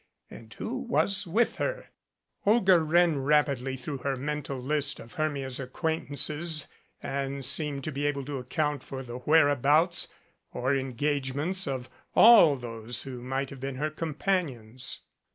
And who was with her? Olga ran rapidly through her mental list of Hermia's acquaint ances and seemed to be able to account for the where abouts or engagements of all those who might have been her companions.